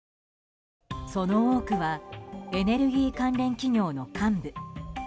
その多くはエネルギー関連企業の幹部。